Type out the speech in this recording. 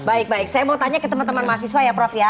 baik baik saya mau tanya ke teman teman mahasiswa ya prof ya